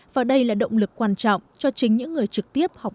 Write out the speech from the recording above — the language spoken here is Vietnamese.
và đây là động lực quan trọng cho chính những người trực tuyến